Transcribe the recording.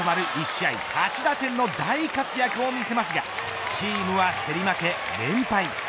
１試合８打点の大活躍を見せますがチームは競り負け、連敗。